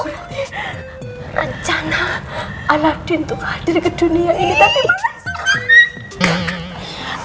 rancangan aladin untuk hadir ke dunia ini tadi balas